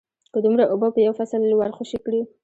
که دومره اوبه په یو فصل ورخوشې کړې